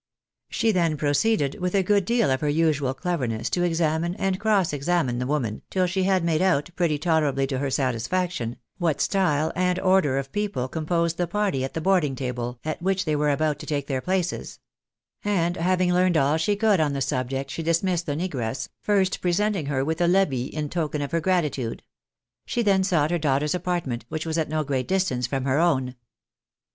222 She then proceeded with a good deal of her usual cleverness to examine and cross examine the woman, till she had made out, pretty tolerably to her satisfaction, what style and order of people composed the party at the boarding table, at which they were about to take their places ; and having learned all she could on the sub ject, she dismissed the negress, first presenting her with a " levy " in token of her gratitude. She then sought her daughter's apart ment, which was at no great distance from her own.